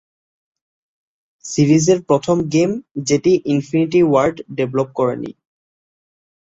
সিরিজের প্রথম গেম যেটি ইনফিনিটি ওয়ার্ড ডেভেলপ করেনি।